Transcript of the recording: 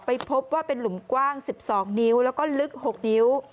พบว่าเป็นหลุมกว้าง๑๒นิ้วแล้วก็ลึก๖นิ้ว